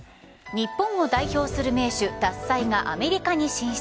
日本を代表する銘酒・獺祭がアメリカに進出。